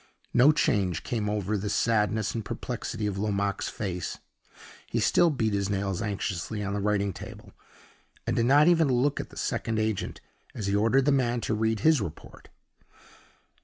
No change came over the sadness and perplexity of Lomaque's face. He still beat his nails anxiously on the writing table, and did not even look at the second agent as he ordered the man to read his report.